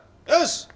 よし！